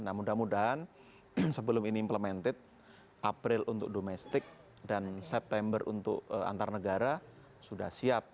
nah mudah mudahan sebelum ini implemented april untuk domestik dan september untuk antar negara sudah siap